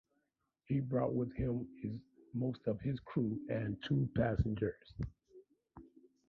He brought with him most of his crew and two passengers.